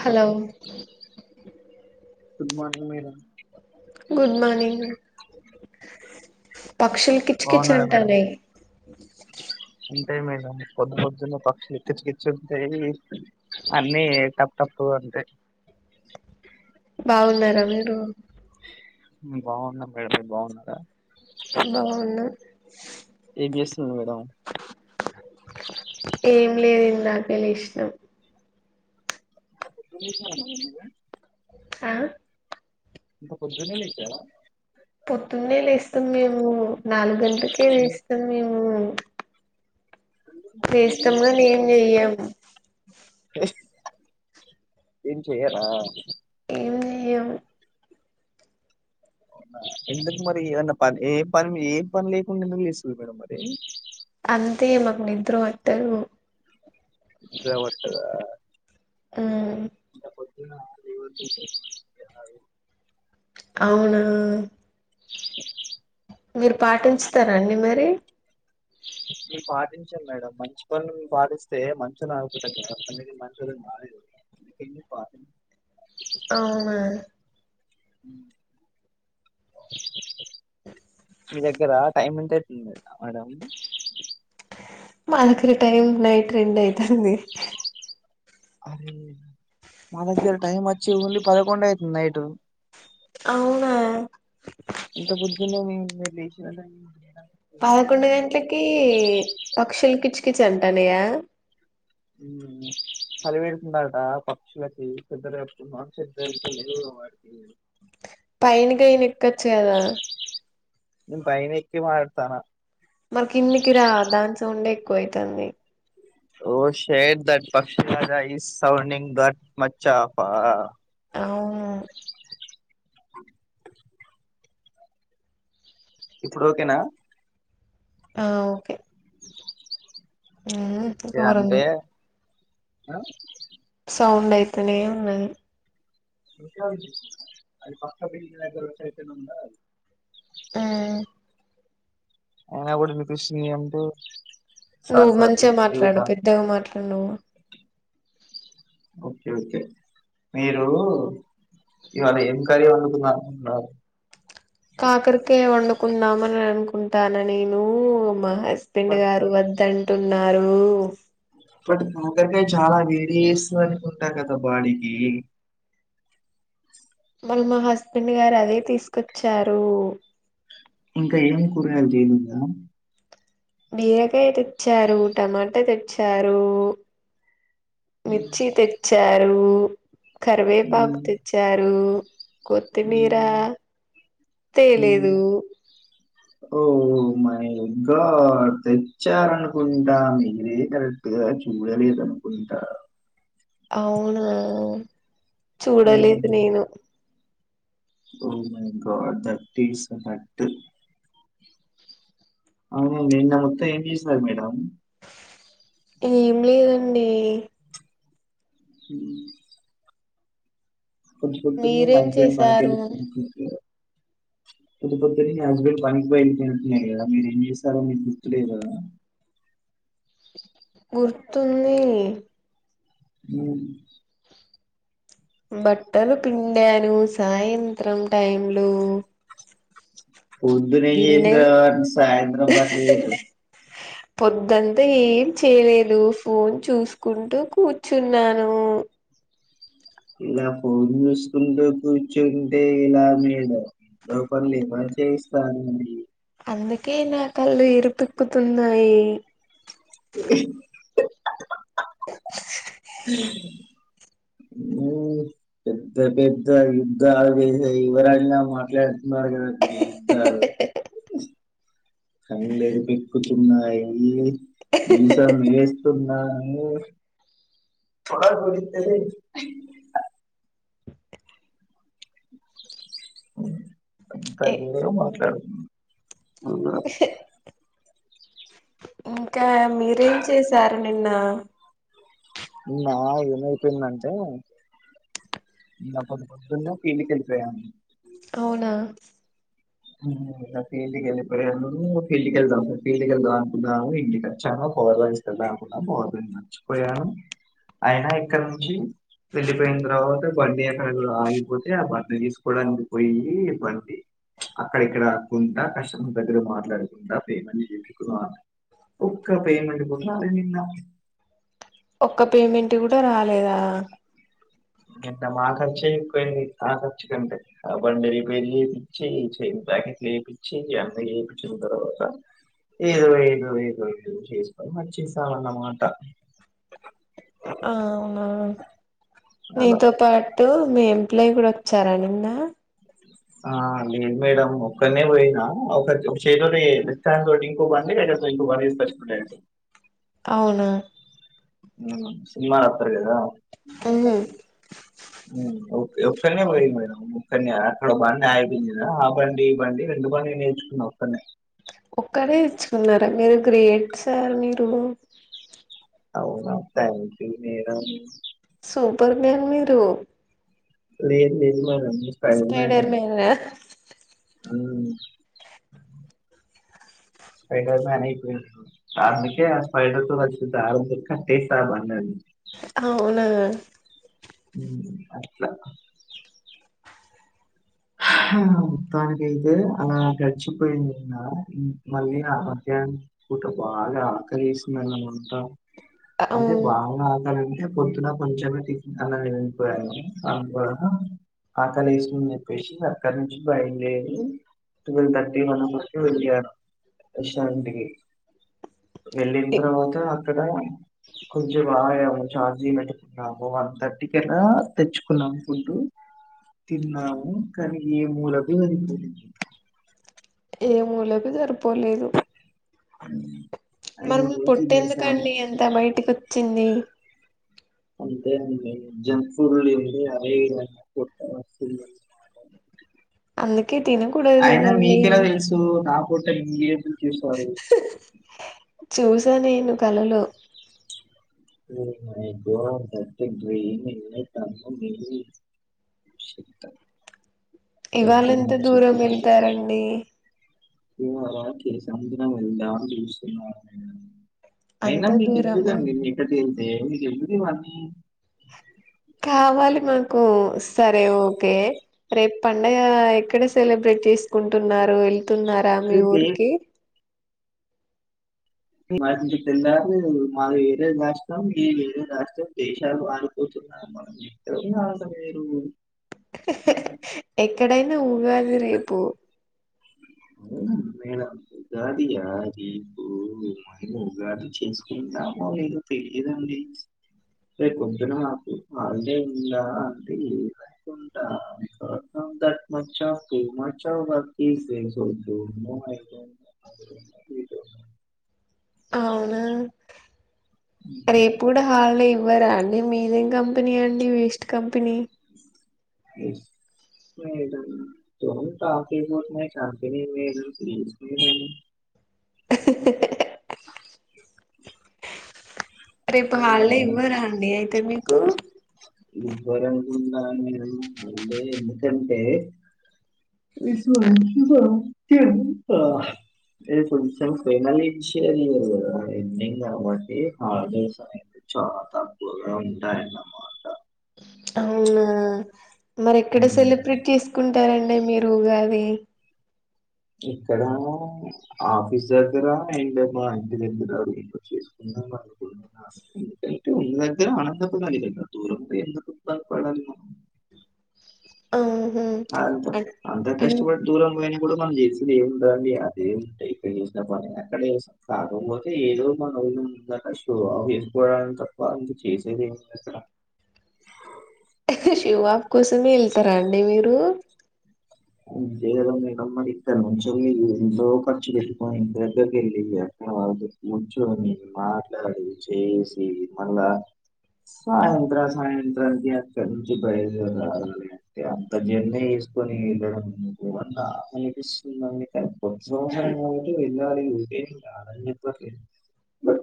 Hello good morning madam good morning పక్షులు కిచికిచ్ బాగున్నారా మేడం అంటనే లేదు మేడం పొద్దు పొద్దున్న పక్షులుచుకిచ్చు ఉంటాయి అన్నీ టప్పు టప్పు అంటాయి బాగున్నారా మీరు ఉ బాగున్నాం మేడం మీరు బాగున్నారా బాగున్నా ఏం చేస్తున్నారు మేడం ఏం లేదు ఇందాకే లేచిన [inaudible] ఆ ఇంత పొద్దున్నే లేచారా పొద్దున్నే లేస్తాం మేము నాలుగు గంటలకే లేస్తాం మేము ఎందుకు మేడం ఏం లేస్తాం చేస్తారు గాని ఇంత ఏం పొద్దున్నే లేచి చెయ్యం లెస్ ఏం చెయరా ఏం చెయ్యం ఎందుకు మరి ఏదన్నా పని ఏ పని ఏ పని లేకుండా ఎందుకు లేసిరి మేడం మరి తే మాకు నిద్ర వట్టదు నిద్ర పట్టదా మ్మ్ అప్పుడు [inaudible] ఏం కాదు అవును మీరు పాటించుతారా అండి మరి మేం పాటించం మేడం మంచి పనులు పాటిస్తే మంచి [unintelligible] అవునా ఇ ఇ మీ దగ్గర టైం ఏంత అయితుంది మేడం మా దగ్గర టైం నైట్ రెండు అయితాంది అరే మా దగ్గర టైమ్ వ చ్చి ఓన్లీ పదకొండు అయితుంది నైట్ అవునా [unintelligible] మీరు లేచినా రని పదకొండు గంట్లకి పక్షులుకిచ్ చ్ అంటాన్నయ్య్ గా చలివెడుతుందట పక్షులకి [unintelligible] పైనికే గిన ఎక్కచ్చుగదా నేన్ పైనే ఎక్కి మాట్లడతన్నా మరి కిందికి రా దాని సౌండే ఎక్కువ అయితాంది ఓ షట్ దట్ పక్షి రాగ ఈస్ సౌడింగ్ దట్ మచ్చా ఫా అవును ఇప్పుడు ఓకేనా ఆ ఓకే ఊ ఓకే అంటే దూరంగే ఆ సౌండ్ అయితనే ఉన్నది ఉండ దది అది పక్క బిల్డింగ్ దగ్గర ఉంటది ఇక్కడ ఉండదు అది ఉమ్, అయినా గూడ వినిపిస్తున్నాయి అంటే సార్ నువ్వు సార్లే మంచిగా మాట్లాడు దిగుతా పెద్దగా మాట్లాడు నువ్వు ఓకే ఓకే మీరు ఇవాళ ఏం కర్రీ వండుకున్నారు అంటున్నా కాకరకాయ వండుకుందామని అనుకుంటాన్న నేను మా హస్బెండ్ బట్ గారు వద్దంటు అన్నారు బట్ కాకరకాయ చాలా వేడి చేస్తుంది అనుకుంటా కదా బాడీకి మళ్లి మా హస్బెండ్ గారు అదే తీసుకొచ్చారు ఇంకా ఏం కురగాయలు తేలెద బీరకాయ తెచ్చారు టమాటా తెచ్చారు మిర్చ్చి తెచ్చ రూ కరివేపాకు తెచ్చారు కొత్తిమీర తేలేదు ఓ మై గార్డ్ తెచ్చారనుకుంటా మీరే కరెక్ట్గా చూడలేదనుకుంటా. అవునా చూడలేదు నేను oh my god that is hard అవు నిన్న మొత్తం ఏం చేసరూ మేడం. ఏం లేదండి. ఉం పోదు, పొద్దున మీ మీరేం హస్బెండ్ పనికి వెల్ చేశారు పొద్దు పొద్దునే నీ హస్బెండ్ పనికి పోయి ఉంటున్నారు కదా మీరు ఏం చేశారో మీకు గుర్తులే కదా. గుర్తుంది. ఉం బట్టలు పిండాను సాయంత్రం టైమ్లు. పొద్దున ఏం చేశావు అంటే సాయంత్రం బట్టలు పొద్దంతా ఏం చేయలేదు ఫోన్ చూసుకుంటూ కూర్చున్నాను. ఇలా ఫోన్ చూసుకుంటూ కూర్చుంటే ఏలా మేడం లోపల ఏం వర్క్ చేయిస్తారు. అందుకే నా కళ్ళు ఎరుపేక్కుతున్నాయి. హ పెద్ద పెద్ద యుద్ధాలు చేసిన యువరాణిలా మాట్లాడు యుద్ధాలు. కళ్ళెము పీకుతున్నాయి. మీసాల్ మిలేస్తున్. నాలో తొడగొడితే అంత ఘోరం మాట్లాడుతుంది ఘోరం. కా మీరేం చేసారని నిన్న నిన్నా ఏమైపోయిందంటే నా పొద్దు పొద్దున్నే ఫీల్డ్ కి వెళ్ళిపోయాను. అవునా ఫీల్డ్కెళ్ళిపోయాను. ఫీల్డ్కి వెళ్దాం ఫీల్డ్ వెళ్దాం అనుకున్నాను ఇంటికి వచ్చాను పవర్ బ్యాంక్ తీస్కెంత అనుకున్నాను. పవర్ బ్యాంక్ మర్చిపోయాను. అయినా ఇక్కడ నుంచి వెళ్ళిపోయిన తర్వాత బండి ఎక్కడ ఆగిపోతే ఆ బండి తీసుకోవడానికి పోయి బండి. అక్కడిక్కడ ఆక్కుంటా కస్టమర్ దగ్గర మాట్లాడుకుంటా పేమెంట్ [inaudible] ఒక్క పేమెంట్ కూడా రాలే నిన్న ఒక్క పేమెంట్ గుడా రాలేదా. ఎంత మా ఖర్చే ఎక్కువయింది. ఆ ఖర్చు కంటే ఆ బండి రిపేర్ చేపిచ్చి చే ప్యాకెట్లు ఏపిచ్చి అన్న ఏపిచ్చిన తర్వాత ఏదో ఏదో ఏదో ఏదో చేసుకొని వచ్చేసామన్నమాట. ఆ అలా నీతో పాట్ ఓ మీ ఎంప్లాయి కూడా వచ్చారా నిన్నా ఆ లేదు మేడం ఒక్కనే పోయినా ఒక చేతి తోటి లెఫ్ట్హ్యాండ్ తోటి ఇంకో బండి వేరొక ఇంకో బండి తీసుకోచుకున్న డైరెక్ట్. అవునా ఉం సినిమా సరే కదా ఉహు ఒక్కనే పోయిన మేడం ఒక్కనే అక్కడ బండి ఆగిపోయింది ఆ బండి ఈ బండి రెండు బండి నేనే తెచ్చుకున్న ఒక్కనే ఒక్కరే తెచ్చుకున్నారా మీరు గ్రేట్ సార్ మీరు అవునా thank you madam. Super man మీరు లేదు లేదు మేడమ్ స్పైడర్ మ్యానా హ్మ్ స్పైడర్ మ్యాన్ అయిపోయి అందుకే ఆ స్పేడర్ తో వచ్చే ధారంతో కట్టేసాను అందరిని అవునా హ్మ్ అట్లా మొత్తానికైతే అలా గడిచిపోయింది నిన్నా మళ్ళీ ఆ మధ్యాహ్నం పూట బాగా ఆకలేసిందాన్నమాట అంటే అవును బాగున్నా [unintelligible] పొద్దున్న కొంచమే టిఫ్ అన్నమే తినిపోయాను దాని ద్వారా ఆకలేసుందే పేశి అక్కడ్నుంచి బయలుదేరి టువెల్ థర్టీ వన్ వరకు వెళ్ళాను రెస్టారెంట్ కి వెళ్ళిన ఏ తర్వాత అక్కడ కొంచేపు ఆగాము చార్జ్ చేట్టుకున్నాము వన్ థర్టీ కి అట్లా తెచ్చుకున్నాం ఫుడ్ తిన్నాము మ్ కాని ఏ మూలకి సరిపోలే ఏ మూలకు జరిపోలేదు. మరి అయినా మీ కూడా తినేసాము పొట్టేందుకండి అంత బయటికి వచ్చింది. అంతే అండి జంక్ ఫుడ్లు తింటే అదే ఇగ పొట్ట వస్తుంది అందు అయినా మీకేలా తెలుసు నాక్ పొట్ట ఇంగ్గిరేద్దూ కి స్వారీ చూసా నేను కళలో ఒ మై గాడ్ థాట్ ఎ [unintelligible] ఇవాళ ఎంత దూరం వెళ్తారండి ఇవాళ కేసముద్రం వెళ్దాం చూస్తున్నను అంత అయినా మీకు దూరము ఎందుకండి మే ఎక్కడికి ఎళ్తే మీకు ఎందు ఇవన్ని కావాలి మాకు సరే ఓకే రేప్ పండగ ఎక్కడ సెలబ్రేట్ చేసుకుంటున్నారు వేల్ తున్నారా మీ రేపు ఏ- ఊరికి మా ఇంటికెల్లారు మాది వేరే రాష్ట్రం మీది వేరే రాష్ట్రం దేశాలు ఆడుపోతున్నా మనం ఎక్కడున్నారు అసలు మీరు ఎక్కడైనా ఉగాది రేపు మేడం ఉగాది యా రేపు మేము ఉగాది చేసుకుంటామొ లేదో తెలియదండి రేపొద్దున నాకు హాలిడే ఉందా అంటే లేదనుకుంటా that much of too much of work is there పొద్దున అవున రేపు కూడా హాలీడేమ్ ఇవ్వరా అండి మీదేం కంపెనీ అండి waste company west [unintelligible] company name P U C name రేపు ఇలా హాలిడే ఇవ్వరా అండి అయితే మీకు ఇవ్వరనుకున్న నేను అంటే ఎందుకంటే [unintelligible] దెబ్బ అదే కొంచెం కోమలించే ఇయర్ గదా ఎండింగ్ కాబట్టి హాలిడేస్ అనే చాలా తక్కువగా ఉంటాయనమాట అవునా మరి ఎక్కడ ఉమ్, సెలబ్రేట్ చేసుకుం టారండి మీరు ఉగాది ఇక్కడ ఆఫీస్ దగ్గర అయిందబ్బా మా ఇంటి దగ్గర చేసుకుందామనుకుటున్న [unintelligible] ఆనంద పడాలి. దూరం పోయి ఎందుకు బాధపడలి మనం ఆ అంత అంత కష్టపడి దూరంగా పోయిన ఇప్పుడు మనం చేసేది ఏముందండి అదే వుంటాయి. ఇక్కడ చేసిన పని అక్కడే చేస్ కాకపోతే ఏదో మన ఊరు ముంగట షో ఆఫ్ చేసుకోవడానికి తప్ప ఇక చేసేది ఏముందక్కడ షివాబ్ కోసమే వెళ్తారా అండి మీరు అంతే కదా మేడం మరి ఇక్కడ నుంచెల్లి ఎంతో ఖర్చు పెట్టుకొని ఇంటి దగ్గరకి వెళ్ళి అక్కడ వాళ్ళ తో కూర్చొని మాట్లాడి చేసి మళ్ళా సాయంత్ర సాయంత్రానికే అక్కడి నుంచి బయలుదేరి రావాలే అంటే అంత జర్నీ ఎసుకొని నాకు అనిపిస్తు అండి కని కొత సంవత్సరం వాళ్ళకి వెళ్ళాలి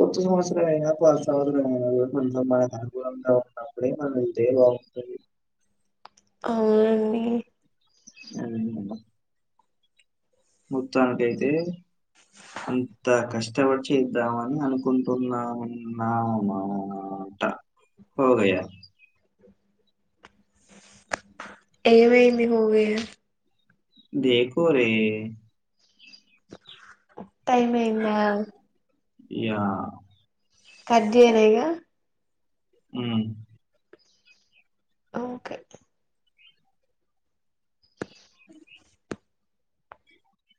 కొత్త సంవత్సరం అయిన పాత సంవత్సరం అయిన కుడం కొంచెం మనకు అనుకూలంగా ఉన్నపుడే మనం వెళ్తే బాగుంటది అవునండి [unintelligible] మొత్తానికైతే అంత కష్టపడి చేద్దామని అనుకుంటున్నామన్నమాట హోగయ ఏమైంది హోగయ దేఖో రే టైం అయిందా యా కట్ చేయనా ఇగ ఉమ్ ఓకే